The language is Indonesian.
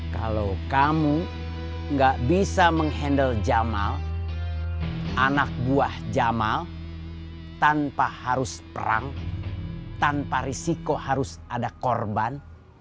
kalau kamu gak bisa menghandle jamal anak buah jamal tanpa harus perang tanpa risiko harus ada korban